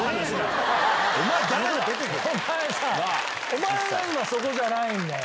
お前は今そこじゃないんだよ！